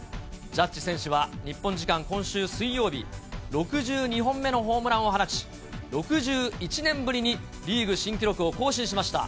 ジャッジ選手は、日本時間今週水曜日、６２本目のホームランを放ち、６１年ぶりにリーグ新記録を更新しました。